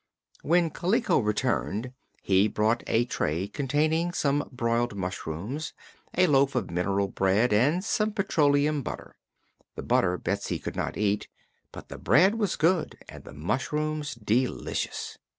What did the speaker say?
When Kaliko returned he brought a tray containing some broiled mushrooms, a loaf of mineral bread and some petroleum butter. The butter Betsy could not eat, but the bread was good and the mushrooms delicious.